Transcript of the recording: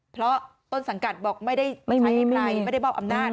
เพราะต้นสังกัดบอกไม่ได้ใช้อะไรไม่ได้มอบอำนาจ